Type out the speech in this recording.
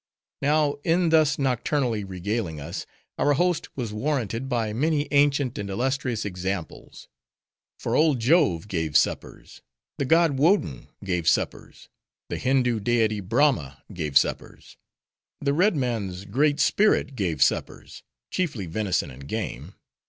Now, in thus nocturnally regaling us, our host was warranted by many ancient and illustrious examples. For old Jove gave suppers; the god Woden gave suppers; the Hindoo deity Brahma gave suppers; the Red Man's Great Spirit gave suppers:— chiefly venison and game.